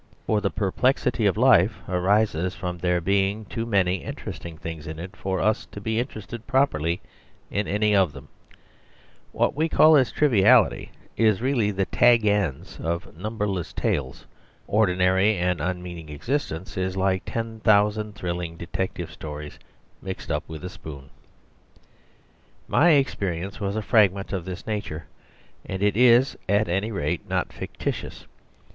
For the perplexity of life arises from there being too many interesting things in it for us to be interested properly in any of them; what we call its triviality is really the tag ends of numberless tales; ordinary and unmeaning existence is like ten thousand thrilling detective stories mixed up with a spoon. My experience was a fragment of this nature, and it is, at any rate, not fictitious.